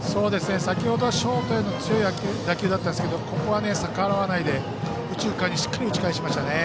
先程はショートへの強い打球だったんですけどここは逆らわないで右中間にしっかり打ち返しましたね。